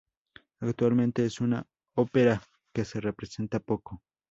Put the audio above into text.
Actualmente, es una ópera que se representa poco.